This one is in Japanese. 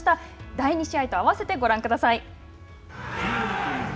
第２試合と合わせてご覧ください。